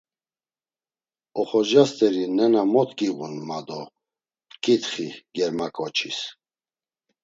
Oxorca steri nena mot giğun ma do p̌ǩitxi Germaǩoçis.